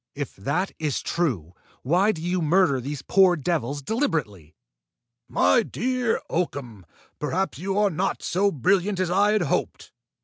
"If that is true, why do you murder these poor devils deliberately!" "My dear Oakham, perhaps you are not so brilliant as I had hoped!